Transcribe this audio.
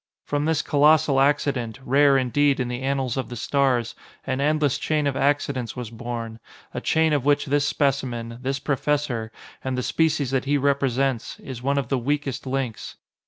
From this colossal accident, rare, indeed, in the annals of the stars, an endless chain of accidents was born, a chain of which this specimen, this professor, and the species that he represents, is one of the weakest links.